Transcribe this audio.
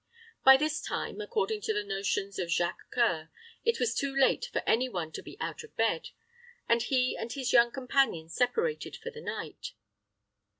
By this time, according to the notions of Jacques C[oe]ur, it was too late for any one to be out of bed, and he and his young companion separated for the night.